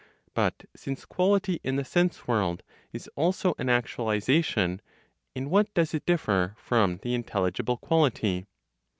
But since quality in the sense world is also an actualization, in what does it differ from the intelligible quality?